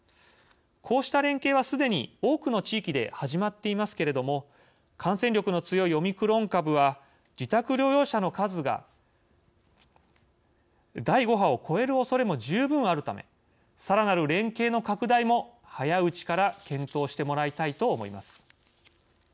こうした連携は、すでに多くの地域で始まっていますけれども感染力の強いオミクロン株は自宅療養者の数が第５波を超えるおそれも十分あるためさらなる連携の拡大も早いうちから検討してもらいたいと思います。